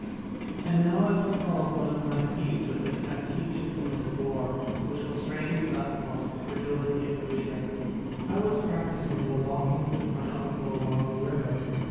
And now I will tell of one of my feats with this antique implement of war which will strain to the utmost the credulity of the reader. I was practicing while walking with my uncle along the river.